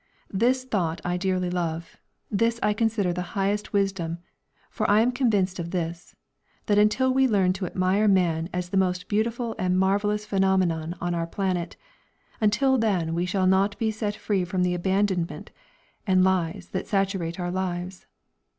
This thought I dearly love, this I consider the highest wisdom, for I am convinced of this: that until we learn to admire man as the most beautiful and marvellous phenomenon on our planet, until then we shall not be set free from the abomination and lies that saturate our lives.